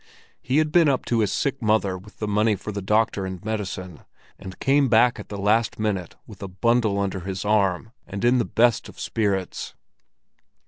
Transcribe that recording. He had been up to his sick mother with the money for the doctor and medicine, and came back at the last minute with a bundle under his arm in the best of spirits.